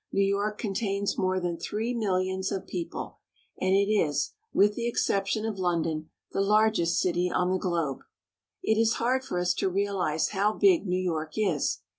New York contains more than three millions of people, and it is, with the ex ception of London, the largest city on the globe. It is hard for us to realize how big New York is.